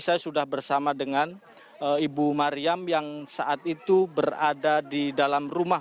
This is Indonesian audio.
saya sudah bersama dengan ibu mariam yang saat itu berada di dalam rumah